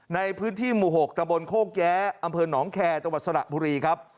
ในพื้นที่หมู่๖ตะบนโคกแย้อำเภอหนองแคร์จังหวัดสระบุรีครับ